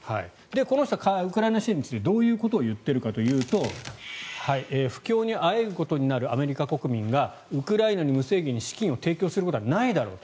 この人はウクライナ支援についてどういうことを言っているかというと不況にあえぐことになるアメリカ国民がウクライナに無制限に資金を提供することはないだろう。